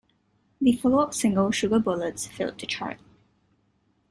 The follow-up single, "Sugar Bullets", failed to chart.